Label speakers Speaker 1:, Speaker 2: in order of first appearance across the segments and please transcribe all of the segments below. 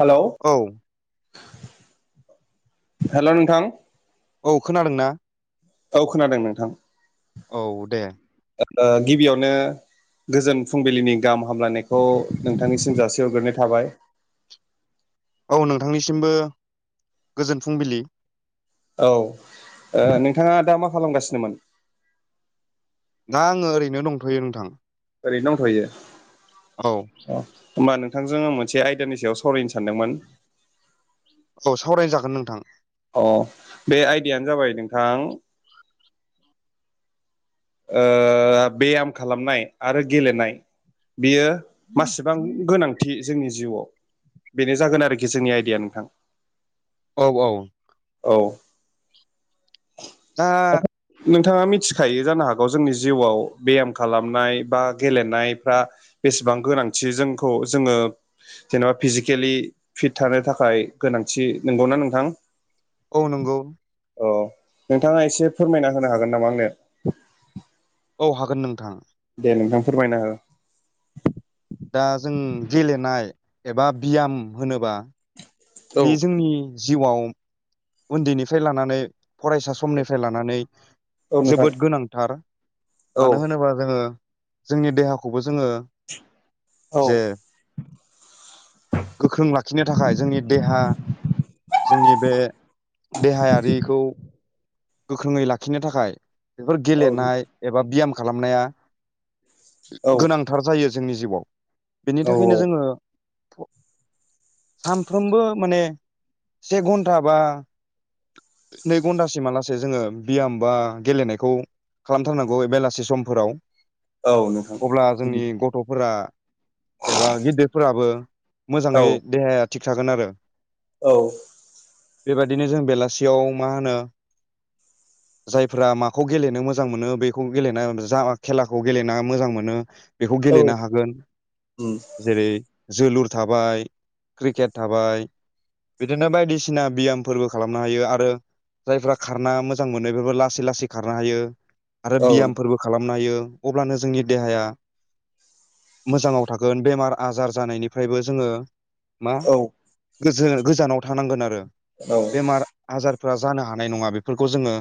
Speaker 1: Hello
Speaker 2: औ
Speaker 1: हेल' नोंथां
Speaker 2: औ खोनादों ना?
Speaker 1: औ खोनादों नोंथां।
Speaker 2: औ दे
Speaker 1: ओ गिबियावनो गोजोन फुंबिलिनि गाहाम हामलायनायखौ नोंथांनिसिम जासि हरग्रोनाय थाबाय
Speaker 2: औ नोंथांनिसिमबो गोजोन फुंबिलि
Speaker 1: औ ओ नोंथांङा दा मा खालामगासिनोमोन?
Speaker 2: दा आंङो ओरैनो दंथ'यो नोंथां।
Speaker 1: ओरै दंथयो
Speaker 2: औ
Speaker 1: अ होमबा नोंथांजों मोनसे आयदानि सायाव सावरायनो सानदोंमोन।
Speaker 2: औ सावरायनाय जागोन नोंथां।
Speaker 1: अ बे आइडियानो जाबाय नोंथां। ओ बेयाम खालामनाय आरो गेलेनाय बियो मासेबां गोनांथि जोंनि जिउआव बेनो जागोन आरोखि जोंनि आइडिया नोंथां।
Speaker 2: औ औ
Speaker 1: औ।
Speaker 2: दा
Speaker 1: नोंथाङा मिथिखायो जानो हागौ जोंनि जिउआव बेयाम खालामनाय बा गेलेनायफ्रा बेसेबां गोनांथि जोंखौ जोङो जेन'बा फिजिकेलि फिट थानो थाखाय गोनांथि नंगौना नोंथां?
Speaker 2: औ नंगौ।
Speaker 1: अ नोंथाङा एसे फोरमायना होनो हागोन नामा आंनो?
Speaker 2: औ हागोन नोंथां।
Speaker 1: दे नोंथां फोरमायना हो।
Speaker 2: दा जों गेलेनाय एबा बियाम होनोबा बे
Speaker 1: औ
Speaker 2: जोंनि जिउआव उन्दैनिफ्राय लानानै फरायसा समनिफ्राय लानानै
Speaker 1: औ नोंथां
Speaker 2: जोबोद गोनांथार
Speaker 1: औ
Speaker 2: मानो होनोबा जोङो जोंनि देहाखौबो जोङो
Speaker 1: औ
Speaker 2: जे गोख्रों लाखिनो थाखाय जोंनि देहा जोंनि बे देहायारिखौ गोख्रोङै लाखिनो थाखाय बेफोर
Speaker 1: औ
Speaker 2: गेलेनाय एबा बियाम खालामनाया
Speaker 1: औ
Speaker 2: गोनांथार जायो जोंनि जिउआव बेनि
Speaker 1: औ
Speaker 2: थाखायनो जोङो सानफ्रोमबो माने से घन्टा बा नै घन्टासिमा ला से जोङो बियाम बा गेलेनायखौ खालामथारनांगौ बेलासि समफोराव।
Speaker 1: औ नोंथां
Speaker 2: अब्ला जोंनि गथ'फोरा एबा गिदिरफोराबो
Speaker 1: औ
Speaker 2: मोजाङै देहाया थिग थागोन आरो।
Speaker 1: औ।
Speaker 2: बेबादिनो जों बेलासियाव मा होनो जायफोरारा माखौ गेलेनो मोजां मोनो बेखौ गेलेना जा खेलाखौ गेलेना मोजां मोनो। बेखौ गेलेनो हागोन जेरै जोलुर थाबाय क्रिकेट थाबाय बिदिनो बायदिसिना बियाम फोरबो खालामनो हायो आरो जायफ्रा खारना मोजां मोनो बेबो लासै लासै खारनो हायो आरो बियामफोरबो खालामनो हायो अब्लानो जोंनि देहाया मोजाङाव थागोन बेमार आजार जानायनिफ्रायबो जोङो मा
Speaker 1: औ
Speaker 2: गोजो गोजानाव थानांगोन आरो
Speaker 1: औ
Speaker 2: बेमार आजारफ्रा जानो हानाय नङा बेफोरखौ जोङो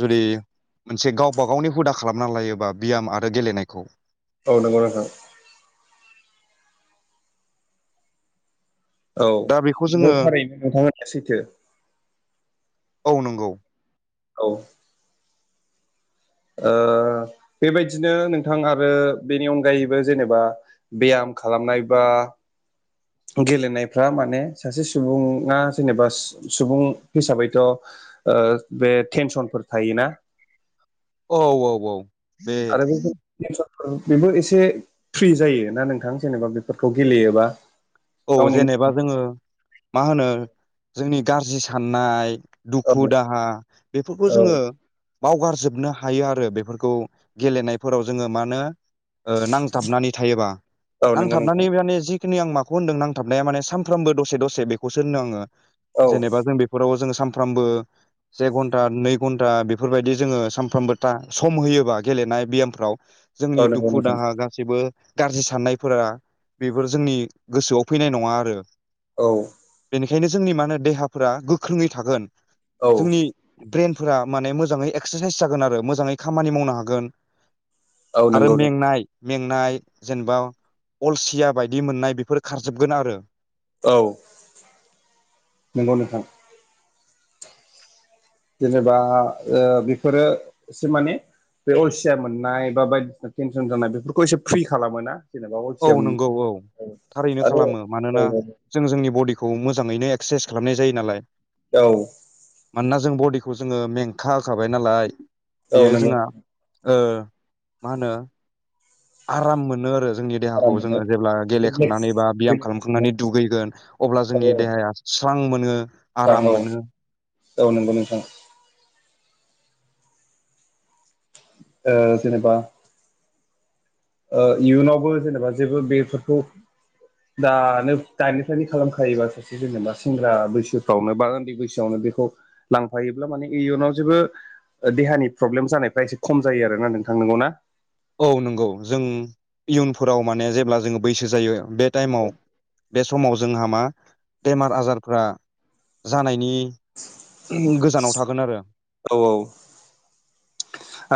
Speaker 2: जुदि मोनसे गावबा गावनि हुदा खालामना लायोबा बियाम आरो गेलेनायखौ
Speaker 1: औ नंगौ नोंथां। औ
Speaker 2: दा बेखौ
Speaker 1: नंगौ
Speaker 2: जोङो
Speaker 1: थारैनो नोंथां होननाया सैथो।
Speaker 2: औ नंगौ।
Speaker 1: औ। ओ बेबायदिनो नोंथां आरो बेनि अनगायैबो जेनेबा बेयाम खालामनाय बा गेलेनायफ्रा माने सासे सुबुङा जेनेबा सुबुं हिसाबैथ' ओ बे टेनसनफोर थायोना।
Speaker 2: औ औ औ। बे
Speaker 1: आरो बे [unintelligible] बेबो एसे फ्रि जायो ना नोंथां जेनेबा बेफोरखौ गेलेयोबा।
Speaker 2: औ
Speaker 1: गावनि
Speaker 2: जेनेबा जोङो मा होनो जोंनि गाज्रि साननाय
Speaker 1: औ
Speaker 2: दुखु दाहा बेफोरखौ
Speaker 1: औ
Speaker 2: जोङो बावगारजोबनो हायो आरो बेफोरखौ गेलेनायफोराव जोङो माानो ओ नांथाबनानै थायोबा
Speaker 1: औ नंगौ
Speaker 2: नांथाबनानै
Speaker 1: नोंथां
Speaker 2: माने जिखिनि आं मा खौ होनदों नांथाबनाया माने सानफ्रामबो दसे दसे बेखौसो होनदों आंङो
Speaker 1: औ
Speaker 2: जेनेबा जों बे फोराव जोङो सानफ्रामबो से घन्टा नै घन्टा बेफोरबायदि जोङो सानफ्रामबो था सम होयोबा गेलेनाय बियामफ्राव जोंनि
Speaker 1: औ नंगौ
Speaker 2: दुखु
Speaker 1: नोंथां
Speaker 2: दाहा गासैबो गाज्रि साननायफोरा बेफोर जोंनि गोसोआव फैनाय नङा आरो
Speaker 1: औ
Speaker 2: बेनिखायनो जोंनि मा होनो देहाफोरा गोख्रोङै थागोन
Speaker 1: औ
Speaker 2: जोंनि ब्रइेनफोरा माने मोजाङै एक्सारसाइस जागोन आरो मोजाङै खामानि मावनो हागोन
Speaker 1: औ
Speaker 2: आरो
Speaker 1: नंगौ
Speaker 2: मेंनाय मेंनाय जेनेबा अलसिया बायदि मोननाय बेफोर खारजोबगोन आरो
Speaker 1: औ नंगौ नोंथां जेनेबा ओ बेफोरो सो माने बे अलसिया मोननाय बा बायदिसिना टेनसन जानाय बेफोरखौ एसे फ्रि खालामो ना?
Speaker 2: औ नंगौ औ थारैनो
Speaker 1: आरो
Speaker 2: खालामो
Speaker 1: औ
Speaker 2: मानोना जों जोंनि बडिखौ मोजाङैनो एक्सारसाइस खालामनाय जायो नालाय
Speaker 1: औ
Speaker 2: मानोना जों बडिखौ जोङो मेंखा होखाबाय नालाय
Speaker 1: औ
Speaker 2: बेयो
Speaker 1: नंगौ
Speaker 2: जोंहा ओ मा होनो आराम मोनो आरो जोंनि देहाखौ
Speaker 1: आराम मोनो
Speaker 2: जोङो जेब्ला गेलेखांनानै बा बियाम खालामखांनानै दुगैगोन अब्ला जोंनि देहाया स्रां मोनो आराम
Speaker 1: स्रां औ
Speaker 2: मोनो
Speaker 1: औ नंगौ नोंथां ओ जेनिबा ओ इयुनावबो जेनेबा जेबो बेफोरखौ दानो दानिनिफ्रायनो खालामखायोबा सासे जेनेबा सेंग्रा बैसोफ्रावनो बा उन्दै बैसो [unintelligible] बेखौ लांफायोब्ला माने इयुनाव जेबो देहानि प्रब्लेम जानायफ्रा एसे खम जायो आरोना नोंथां नोंगौ ना?
Speaker 2: औ नंगौ जों इयुनफोराव माने जेब्ला जोङो बैसो जायो बे
Speaker 1: औ
Speaker 2: टाइमाव बे समाव जोंहा मा बेमार आजारफ्रा जानायनि गोजानाव थागोन आरो
Speaker 1: औ औ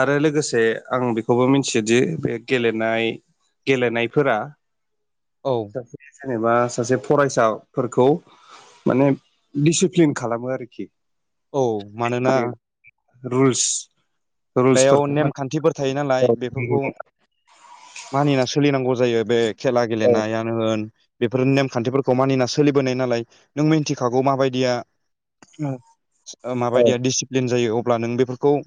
Speaker 1: आरो लोगोसे आं बेखौबो मिथियोदि बे गेलेनाय गेलेनायफोरा
Speaker 2: औ
Speaker 1: [unintelligible] जेनेबा सासे फरायसाफोरखौ माने दिसिप्लिन खालामो आरोखि
Speaker 2: औ मानोना
Speaker 1: रुल्स
Speaker 2: बेयाव
Speaker 1: रुल्सफोरखौ माने
Speaker 2: नेमखान्थिफोर थायो नालाय
Speaker 1: औ
Speaker 2: बेफोरखौ मानिना सोलिनांगौ जायो बे खेला
Speaker 1: औ
Speaker 2: गेलेनायानो होन बेफोर नेमखान्थिफोरखौ मानिना सोलिबोनाय नालाय नों मिथिखागौ माबायदिया ओ माबायदिया डिसिप्लिन जायो अब्ला नों बेफोरखौ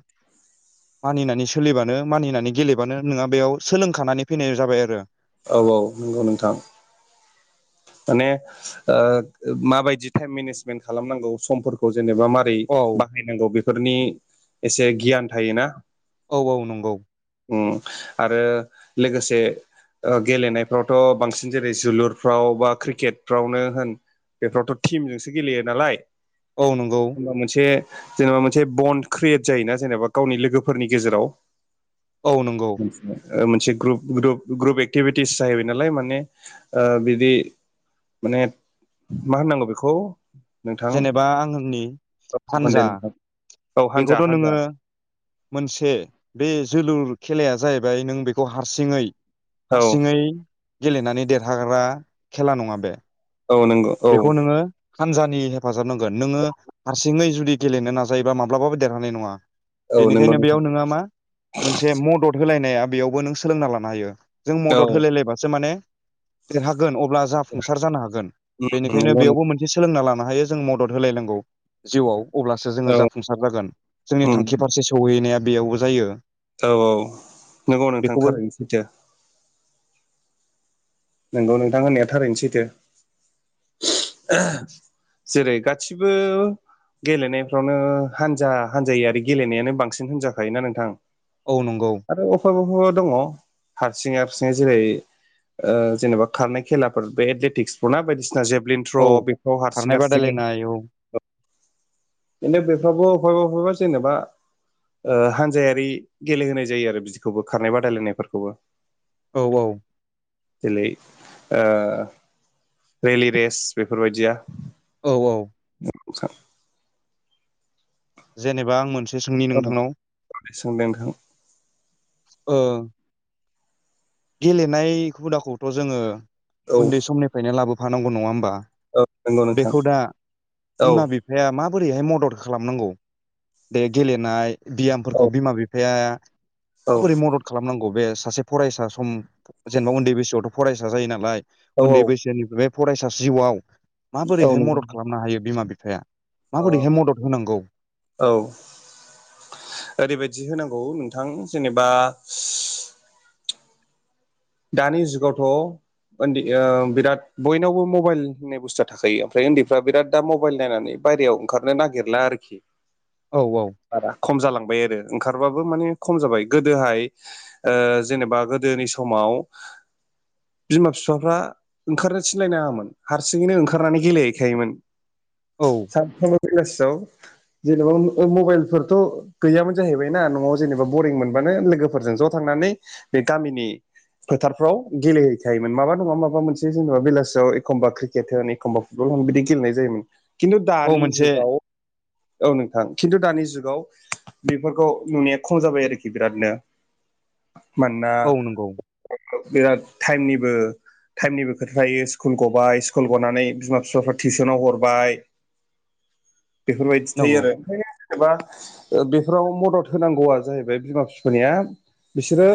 Speaker 2: मानिनानै सोलिबानो मानिनानै गेलेबानो नोंहा बेयाव सोलोंखानानै फैनाय जाबाय आरो
Speaker 1: औ औ नंगौ नोंथां माने ओ माबायदि टाइम मेनेजमेन्ट खालामनांगौ समफोरखौ जेनेबा मा
Speaker 2: औ
Speaker 1: [unintelligible] बाहायनांगौ बेफोरनि एसे गियान थायोना
Speaker 2: औ औ नंगौ।
Speaker 1: उ आरो लोगोसे ओ गेलेनायफ्रावथ' बांसिन जेरै जोलुरफ्राव बा क्रिकेट फ्रावनो होन बेफोरावथ' टिमजोंसो गेलेयो नालाय
Speaker 2: औ नंगौ
Speaker 1: जेनबा मोनसे जेनेबा मोनसे बन्ड क्रियेट जायो ना जेनेबा गावनि लोगोफोरनि गेजेराव
Speaker 2: औ नंगौ।
Speaker 1: मोनसे ग्रुप ग्रुप ग्रुप एक्टिभिटिस जाहैबाय नालाय माने बिदि माने मा होननांगौ बेखौ। नोंथां
Speaker 2: जेनेबा आं होननि
Speaker 1: औ होनदो
Speaker 2: हानजा
Speaker 1: नोंथां औ हानजा
Speaker 2: बेखौथ'
Speaker 1: हानजा
Speaker 2: नोङो। मोनसे बे जोलुर खेलाया जाहैबाय नों बेखौ हारसिङै।
Speaker 1: औ
Speaker 2: हारसिङै गेलेनानै देरहाग्रा खेला नङा बे।
Speaker 1: औ नोंगौ।
Speaker 2: बेखौ नोङो। हानजानि हेफाजाब नांगोन नोङो हारसिङै जुदि गेलेनो नाजायोबा माब्लाबाबो देरहानाय नङा।
Speaker 1: औ नंगौ
Speaker 2: बेनिखायनो
Speaker 1: नोंथां
Speaker 2: बेयाव नोंङो मा मोनसे मदद होलायनाया बेयावबो नों सोलोंना लानो हायो। जों
Speaker 1: औ
Speaker 2: मदद होलायलायबासो मानेे देरहागोन अब्ला जाफुंसार जानो हागोन।
Speaker 1: उम
Speaker 2: बेनिखायनो
Speaker 1: नंगौ नों
Speaker 2: बेयावबो मोनसे सोलोंना लानो हायो जों मदद होलायनांगौ जिउआव। अब्लासो जोङो
Speaker 1: औ
Speaker 2: जाफुंसार जागोन जोंनि
Speaker 1: उम
Speaker 2: थांखि फारसे सौहैनाया बेयावबो जायो।
Speaker 1: औ औ नोंगौ नोंथां
Speaker 2: बेखौबो
Speaker 1: थारैनो सैथो। नोंगौ नोंथां होननाया थारैनो सैथो। [unintelligible] जेरै गासिबो। गेलेनायफ्रावनो हान्जा हान्जाय आरो गेलेनायानो बांसिन होनजाखायोना नोंथां।
Speaker 2: औ नंगौ।
Speaker 1: आरो अफायबा अफायबा दङ हारसिं हारसिङै जेरै ओ जेनबा खारनाय खेलाफोर बे देटिक्सफोर ना बायदिसिना जेभ्लिन
Speaker 2: औ
Speaker 1: [unintelligible] बेफ्राव
Speaker 2: खारनाय
Speaker 1: हारसिं हारसिंङै
Speaker 2: बादायलायनाय औ
Speaker 1: [unintelligible] बेफ्रावबो अफायबा अफायबा जेनेबा ओ हानजायारि गेलेहोनाय जायो आरो बिदिखौबो खारनाय बादायलायनायफोरखौबो।
Speaker 2: औ औ।
Speaker 1: जेलै रेलि रेस बेफोरबायदिया
Speaker 2: औ औ।
Speaker 1: औ
Speaker 2: जेनेबा आं मोनसे सोंनि नोंथांनाव
Speaker 1: सोंदों नोंथां
Speaker 2: ओ गेलेनाय हुदाखौथ' जोङो
Speaker 1: औ
Speaker 2: उन्दै समनिफ्रायनो लाबोफानांगौ नङा होमबा?
Speaker 1: औ नंगौ नोंथां
Speaker 2: बेखौ दा
Speaker 1: औ
Speaker 2: बिमा बि फाया माबोरैहाय मदद खालामनांगौ दे गेलेनाय बियामफोरखौ बिमा बिफाया
Speaker 1: औ
Speaker 2: माबोरै
Speaker 1: औ
Speaker 2: मदद खालामनांगौ बे सासे फरायसा सम जेनेबा उन्दै बैसोआवथ' फरायसा जायो नालाय
Speaker 1: औ
Speaker 2: उन्दै बैसोनि फरायसा जिउआव माबोरैहाय
Speaker 1: नंगौ
Speaker 2: मदद
Speaker 1: नोंथां
Speaker 2: खालामनो हायो बिमा बिफाया।
Speaker 1: अ
Speaker 2: माबोरैहाय मदद होनांगौ।
Speaker 1: औ ओरैबायाददि होनांगौ नोंथां जेनेबा दानि जुगावथ' ओन्दै ओ बिराद बयनावबो मबाइल होननाय बुस्थुआ थाखायो। ओमफ्राय उन्दैफ्रा बिराद दा मबाइल नायनानै बायेरायाव ओंखारनो नागिरला आरोखि।
Speaker 2: औ औ‌।
Speaker 1: [unintelligible] खम जालांबाय आरो ओंखारबाबो माने खम जाबाय गोदोहाय ओ जेनेबा गोदोनि समाव बिमा फिफाफ्रा ओंखारनो थिनलायनाङामोन हारसिङैनो ओंखारनानै गेलेहैखायोमोन।
Speaker 2: औ।
Speaker 1: [unintelligible] बेलासियाव जेनबा मबाइलफोरथ' गैयामोन जाहैबाय ना न'आव जेनेबा बरिं मोनबानो लोगोफोरजों ज' थांनानै बे गामिनि फोथारफ्राव गेलेहैखायोमोन माबा नङा माबा मोनसे जेनेबा बेलासियाव एखमबा क्रिकेट होन एखम्बा फुटबल बिदि गेलेनाय जायोमोन खिन्थु
Speaker 2: औ
Speaker 1: दानि
Speaker 2: मोनसे
Speaker 1: जुगाव औ नोंथां खिन्थु दानि जुगाव बेफोरखौ नुनाया खम जाबाय आरोखि बिरादनो मानोना
Speaker 2: औ नंगौ।
Speaker 1: बिराद थाइमनिबो थाइमनिबो खोथा थायो स्कुल गबाय स्कुल गनानै बिमा बिफाफ्रा टिउसनाव हरबाय बेफोरबायदि थायो
Speaker 2: नंगौ
Speaker 1: आरो। एबा बेफोराव मदद होनांगौआ जाहैबाय बिमा बिफानिया बिसोरो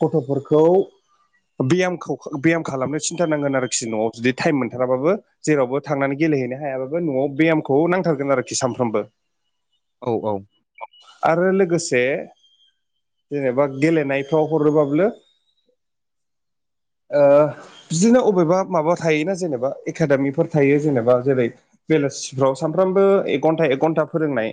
Speaker 1: गथ'फोरखौ बेयामखौ बेयाम खालामनो सिन्थानांगोन आरोखि न'आव जुदि थाइम मोनथाराबाबो जेरावबो थांनानै गेलेहैनो हायाबाबो न'आव बेयामखौ नांथारगोन आरोखि सानफ्रामबो।
Speaker 2: औ औ।
Speaker 1: आरो लोगोसे जेनेबा गेलेनायफ्राव हरोब्लाबो ओ बिदिनो अबेबा माबा थायोना जेनेबा एकादेमिफोर थायो जेनेबा जेरै बेलासिफ्राव सामफ्रामबो एक घन्टा एक घन्टा फोरोंनाय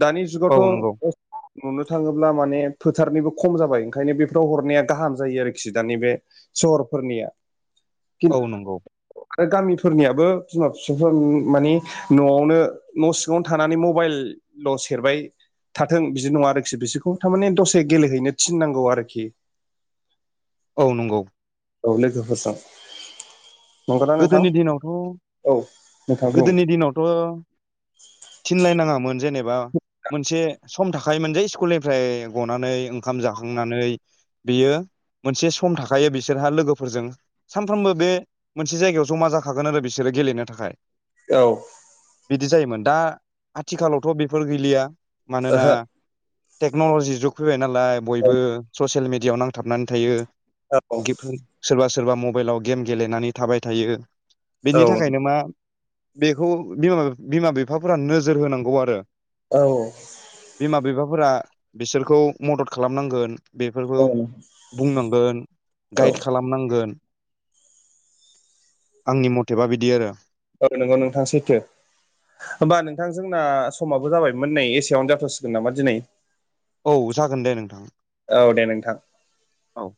Speaker 1: दानि
Speaker 2: औ नंगौ
Speaker 1: जुगावथ' नुनो थाङोब्ला माने फोथारनिबो खम जाबाय ओंखायनो बेफोराव हरनाया गाहाम जायो आरोखि दानि बे सहरफोरनिया।
Speaker 2: औ नंगौ।
Speaker 1: आरो गामिफोरनियाबो बिमा फिसाफ्रा माने नआवनो न सिङावनो थानानै मबाइलल' सेरबाय थाथों बिदि नङा आरोखि बिसोरखौ थारमाने दसे गेलेहैनो थिननांगौ आरोखि।
Speaker 2: औ नंगौ।
Speaker 1: औ लोगोफोरजों। नंगौना नोंथां
Speaker 2: गोदोनि दिनावथ'
Speaker 1: औ नोंथां बुं
Speaker 2: गोदोनि दिनावथ' थिनलायनाङामोन जेनेबा मोनसे सम था आखाइ मोनजायै स्कुलनिफ्राय गनानै ओंखाम जाखांनानै बियो मोनसे सम थाखायो बिसोरहा लोगोफोरजों सानफ्रोमबो बे मोनसे जायगायाव जमा जाखागोन आरो बिसोरो गेलेनो थाखाय।
Speaker 1: औ।
Speaker 2: बिदि जायोमोन दा आथिखालावथ' बेफोर गैलिया मानोना टेक्नलजि जुग फैबाय नालाय बयबो ससियेल मिडियाआव नांथाबनानै थायो।
Speaker 1: ओहो औ
Speaker 2: सोरबा सोरबा मबाइलाव गेम गेलेनानै थाबाय थायो। बिनि
Speaker 1: औ
Speaker 2: थाखायनो मा बेखौ बिमा बिमा बिफाफोरा नोजोर होनांगौ आरो।
Speaker 1: औ।
Speaker 2: बिमा बिफाफोरा बिसोरखौ मदद खालामनांगोन। बेफोरखौ बुंनांगोन
Speaker 1: औ
Speaker 2: गाइड खालामनांगोन। आंनि मथेबा बिदि आरो।
Speaker 1: औ नोंगौ नोंथां सैथो। होमबा नोंथां जोंना समाबो जाबायमोन नै एसेयावनो जाथसिगोन नामा दिनै।
Speaker 2: औ जागोन दे नोंथां।
Speaker 1: औ दे नोंथां।
Speaker 2: औ।